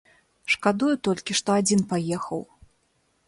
Шкадую толькі, што адзін паехаў.